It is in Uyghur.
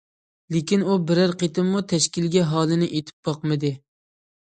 لېكىن ئۇ بىرەر قېتىممۇ تەشكىلگە ھالىنى ئېيتىپ باقمىدى.